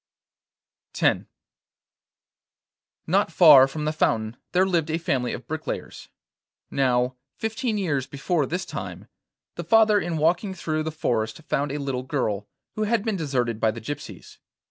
X Not far from the fountain there lived a family of bricklayers. Now, fifteen years before this time, the father in walking through the forest found a little girl, who had been deserted by the gypsies.